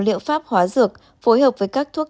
liệu pháp hóa dược phối hợp với các thuốc